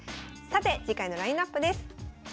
さて次回のラインナップです。